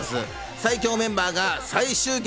最強メンバーが再集結。